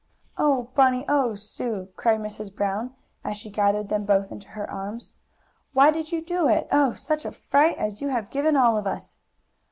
"Oh, Bunny! Oh, Sue!" cried Mrs. Brown, as she gathered them both into her arms. "Why did you do it? Oh, such a fright as you have given all of us!"